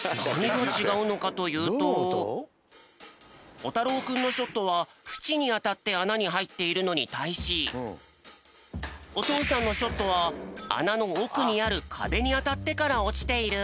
こたろうくんのショットはふちにあたってあなにはいっているのにたいしおとうさんのショットはあなのおくにあるかべにあたってからおちている。